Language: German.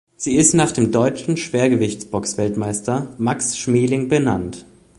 Sie ist nach dem deutschen Schwergewichts-Boxweltmeister Max Schmeling benannt.